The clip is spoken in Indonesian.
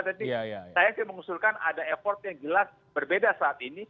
jadi saya sih mengusulkan ada effort yang jelas berbeda saat ini